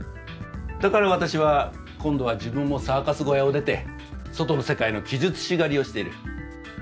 だから私は今度は自分もサーカス小屋を出て外の世界の奇術師狩りをしている。